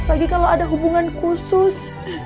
apalagi kalau ada hubungan khusus